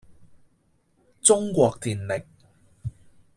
中國電力